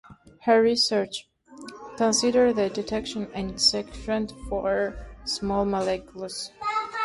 Her research considers the detection and sequestration of small molecules.